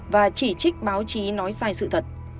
và chỉ trích báo chí nói sai sự thật